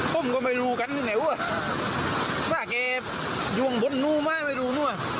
ผมก็ไม่รู้กันไหนว่ะสร้างแก่ย่วงบนนู้มาไม่รู้นั่ว